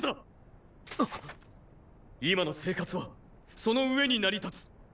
今の生活はその上に成り立つ。